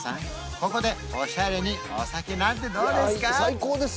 ここでオシャレにお酒なんてどうですか？